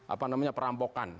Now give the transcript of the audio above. apa namanya perampokan